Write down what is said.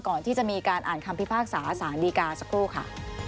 ก่อนที่จะมีการอ่านคำพิพากษาสารดีกาสักครู่ค่ะ